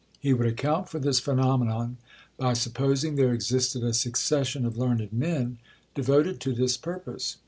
He would account for this phenomenon by supposing there existed a succession of learned men devoted to this purpose.